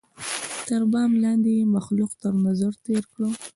تر بام لاندي یې مخلوق تر نظر تېر کړ